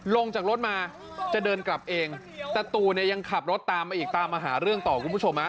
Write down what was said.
ลงจากรถมาจะเดินกลับเองแต่ตู่เนี่ยยังขับรถตามมาอีกตามมาหาเรื่องต่อคุณผู้ชมฮะ